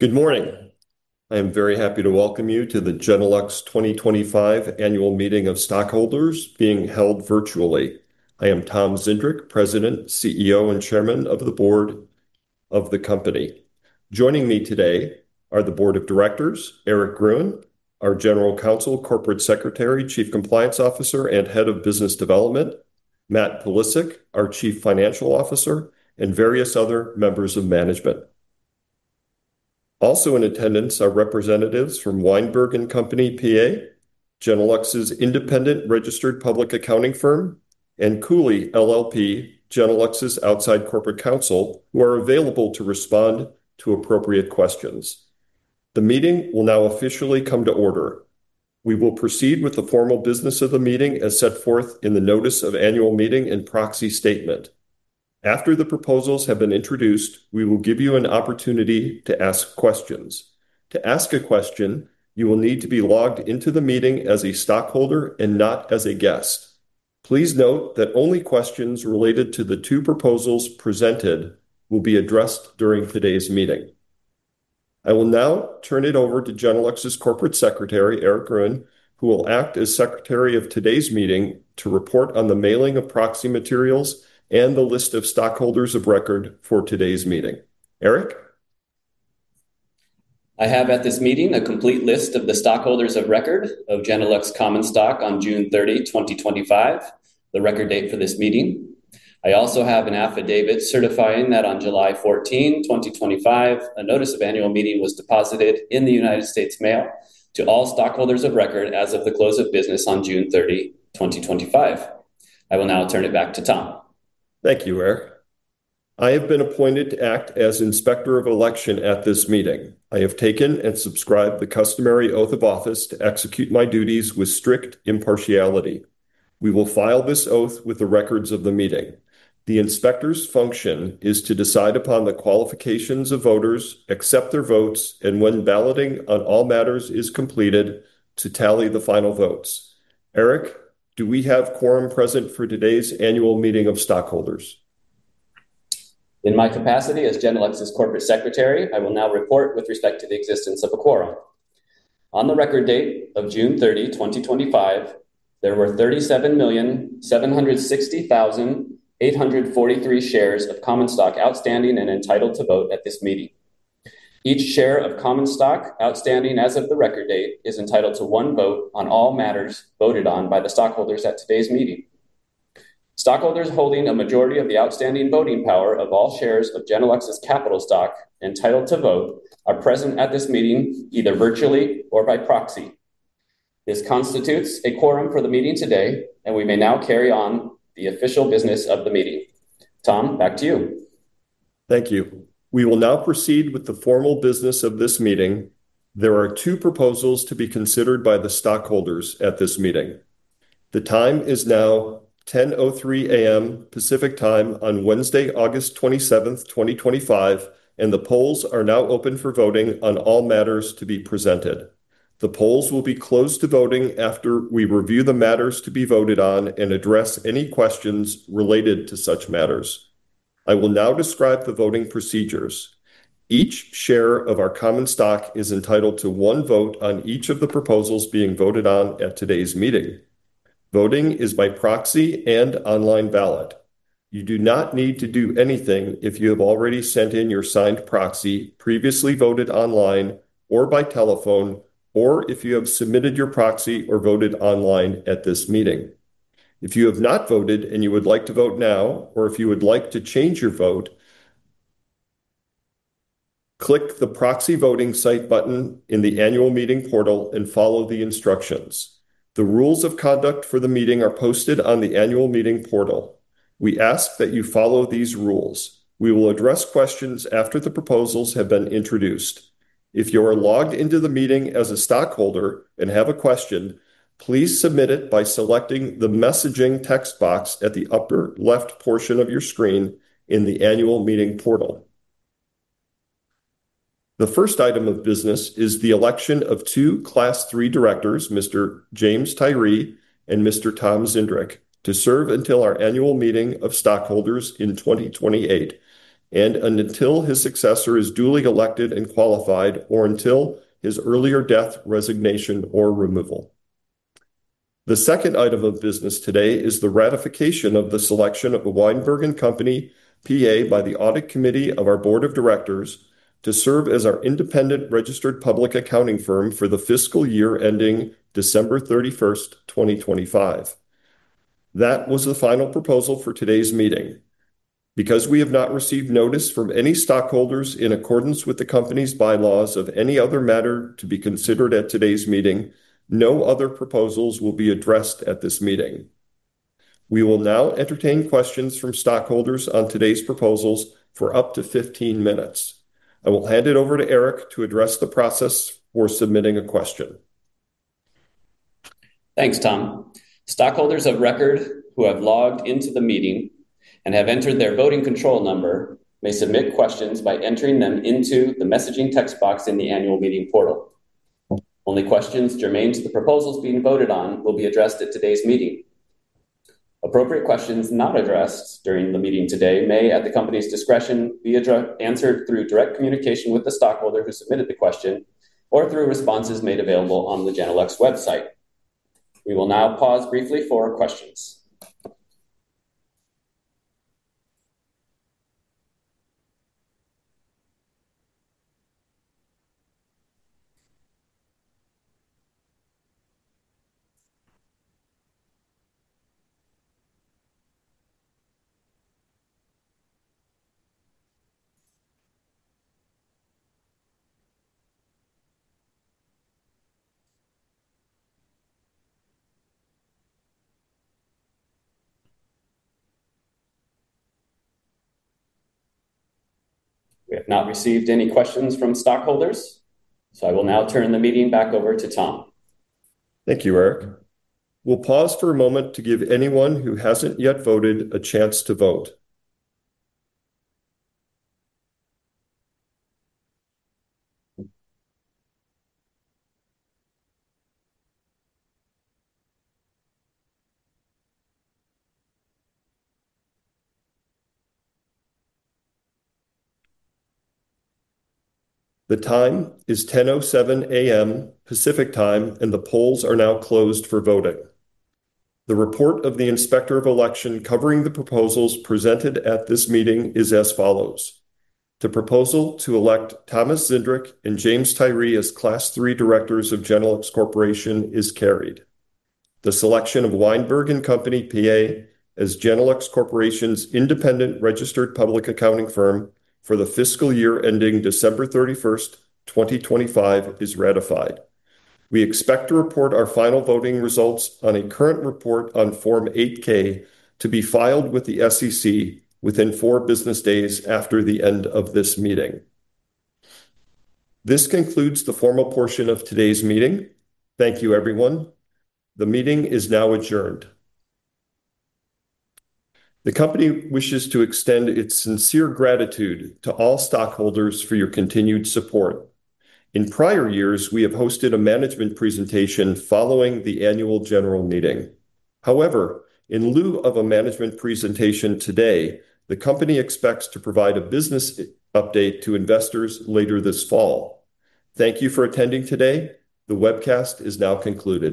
Good morning. I am very happy to welcome you to the Genelux 2025 annual meeting of stockholders being held virtually. I am Thomas Zindrick, President, CEO, and Chairman of the Board of the Company. Joining me today are the board of directors, Eric Groen, our General Counsel, Corporate Secretary, Chief Compliance Officer, and Head of Business Development, Matt Pulisic, our Chief Financial Officer, and various other members of management. Also in attendance are representatives from Weinberg & Company, P.A., Genelux's independent registered public accounting firm, and Cooley LLP, Genelux's outside corporate counsel, who are available to respond to appropriate questions. The meeting will now officially come to order. We will proceed with the formal business of the meeting as set forth in the notice of annual meeting and proxy statement. After the proposals have been introduced, we will give you an opportunity to ask questions. To ask a question, you will need to be logged into the meeting as a stockholder and not as a guest. Please note that only questions related to the two proposals presented will be addressed during today's meeting. I will now turn it over to Genelux's Corporate Secretary, Eric Groen, who will act as secretary of today's meeting to report on the mailing of proxy materials and the list of stockholders of record for today's meeting. Eric? I have at this meeting a complete list of the stockholders of record of Genelux common stock on June 30, 2025, the record date for this meeting. I also have an affidavit certifying that on July 14, 2025, a notice of annual meeting was deposited in the United States Mail to all stockholders of record as of the close of business on June 30, 2025. I will now turn it back to Tom. Thank you, Eric. I have been appointed to act as inspector of election at this meeting. I have taken and subscribed the customary oath of office to execute my duties with strict impartiality. We will file this oath with the records of the meeting. The inspector's function is to decide upon the qualifications of voters, accept their votes, and when balloting on all matters is completed, to tally the final votes. Eric, do we have quorum present for today's annual meeting of stockholders? In my capacity as Genelux's corporate secretary, I will now report with respect to the existence of a quorum. On the record date of June 30, 2025, there were 37,760,843 shares of common stock outstanding and entitled to vote at this meeting. Each share of common stock outstanding as of the record date is entitled to one vote on all matters voted on by the stockholders at today's meeting. Stockholders holding a majority of the outstanding voting power of all shares of Genelux's capital stock entitled to vote are present at this meeting, either virtually or by proxy. This constitutes a quorum for the meeting today, and we may now carry on the official business of the meeting. Tom, back to you. Thank you. We will now proceed with the formal business of this meeting. There are two proposals to be considered by the stockholders at this meeting. The time is now 10:03 A.M., Pacific Time on Wednesday, August twenty-seventh, 2025. The polls are now open for voting on all matters to be presented. The polls will be closed to voting after we review the matters to be voted on and address any questions related to such matters. I will now describe the voting procedures. Each share of our common stock is entitled to one vote on each of the proposals being voted on at today's meeting. Voting is by proxy and online ballot. You do not need to do anything if you have already sent in your signed proxy, previously voted online or by telephone, or if you have submitted your proxy or voted online at this meeting. If you have not voted and you would like to vote now or if you would like to change your vote, click the proxy voting site button in the annual meeting portal and follow the instructions. The rules of conduct for the meeting are posted on the annual meeting portal. We ask that you follow these rules. We will address questions after the proposals have been introduced. If you are logged into the meeting as a stockholder and have a question, please submit it by selecting the messaging text box at the upper left portion of your screen in the annual meeting portal. The first item of business is the election of two Class III directors, Mr. James Tyree and Mr. Tom Zindrick, to serve until our annual meeting of stockholders in 2028 and until his successor is duly elected and qualified, or until his earlier death, resignation, or removal. The second item of business today is the ratification of the selection of Weinberg & Company, P.A. by the audit committee of our board of directors to serve as our independent registered public accounting firm for the fiscal year ending December 31, 2025. That was the final proposal for today's meeting. Because we have not received notice from any stockholders in accordance with the company's bylaws of any other matter to be considered at today's meeting, no other proposals will be addressed at this meeting. We will now entertain questions from stockholders on today's proposals for up to 15 minutes. I will hand it over to Eric to address the process for submitting a question. Thanks, Tom. Stockholders of record who have logged into the meeting and have entered their voting control number may submit questions by entering them into the messaging text box in the annual meeting portal. Only questions germane to the proposals being voted on will be addressed at today's meeting. Appropriate questions not addressed during the meeting today may, at the company's discretion, be answered through direct communication with the stockholder who submitted the question or through responses made available on the Genelux website. We will now pause briefly for questions. We have not received any questions from stockholders. I will now turn the meeting back over to Tom. Thank you, Eric. We'll pause for a moment to give anyone who hasn't yet voted a chance to vote. The time is 10:07 A.M. Pacific Time, and the polls are now closed for voting. The report of the inspector of election covering the proposals presented at this meeting is as follows: The proposal to elect Thomas Zindrick and James Tyree as Class III directors of Genelux Corporation is carried. The selection of Weinberg & Company, P.A. as Genelux Corporation's independent registered public accounting firm for the fiscal year ending December 31st, 2025, is ratified. We expect to report our final voting results on a current report on Form 8-K to be filed with the SEC within four business days after the end of this meeting. This concludes the formal portion of today's meeting. Thank you everyone. The meeting is now adjourned. The company wishes to extend its sincere gratitude to all stockholders for your continued support. In prior years, we have hosted a management presentation following the annual general meeting. However, in lieu of a management presentation today, the company expects to provide a business update to investors later this fall. Thank you for attending today. The webcast is now concluded.